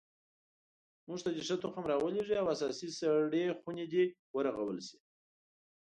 موږ ته دې ښه تخم را ولیږي او اساسي سړې خونې دې ورغول شي